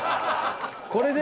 これで。